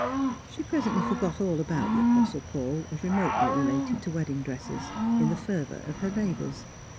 She presently forgot all about the Apostle Paul as remotely related to wed ding dresses, in the fervour of her labours.